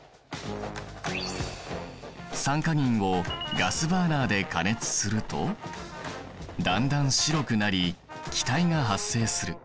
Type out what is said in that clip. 酸化銀をガスバーナーで加熱するとだんだん白くなり気体が発生する。